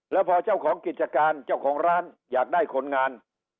แล้วพอเจ้าของกิจการเจ้าของร้านอยากได้คนงาน